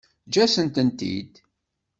Eǧǧ-asent-tent-id.